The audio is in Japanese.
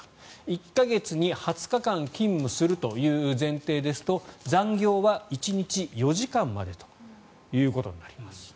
１か月に２０日間勤務するという前提ですと残業は１日４時間までということになります。